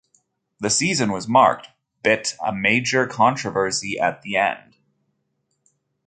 The season was marked bt a major controversy at the end.